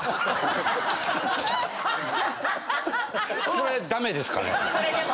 それ駄目ですかね？